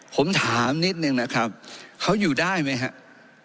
ผมถามนิดนึงนะครับเขาอยู่ได้ไหมครับ